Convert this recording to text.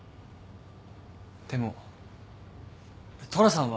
でも虎さんは。